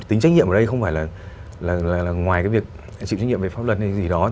tính trách nhiệm ở đây không phải là ngoài cái việc chịu trách nhiệm về pháp luật hay gì đó